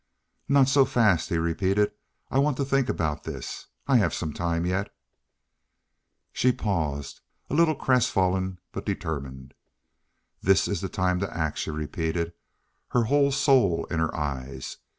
"Not so fast," he repeated. "I want to think about this. I have some time yet." She paused, a little crestfallen but determined. "This is the time to act," she repeated, her whole soul in her eyes.